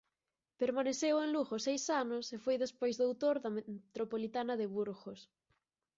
Permaneceu en Lugo seis anos e foi despois Doutor da Metropolitana de Burgos.